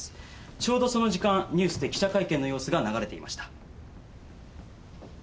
ちょうどその時間ニュースで記者会見の様子が流れていました。